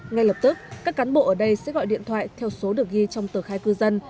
ngay lập tức các cán bộ ở đây sẽ gọi điện thoại theo số được ghi trong tờ khai cư dân